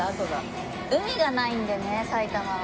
海がないんでね埼玉は。